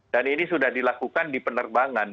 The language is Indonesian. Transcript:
dan ini sudah dilakukan di penerbangan